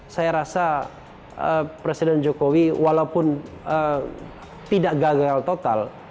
saya rasa presiden jokowi walaupun tidak gagal total